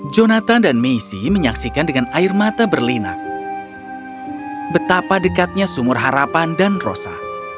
jonathan dan messi menyaksikan dengan air mata berlinap betapa dekatnya sumur harapan dan rosa